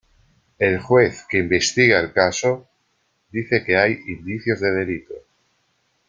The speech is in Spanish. El juez que investiga el caso dice que hay indicios de delito.